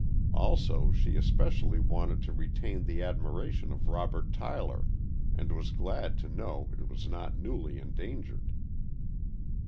Also, she especially wanted to retain the admiration of Robert Tyler, and was glad to know it was not newly endangered.